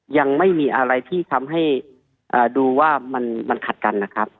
ยังไม่มีอะไรที่ทำให้ดูว่ามันขัดกันนะครับ